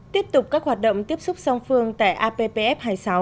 tiếp tục các hoạt động tiếp xúc song phương tại appf hai mươi sáu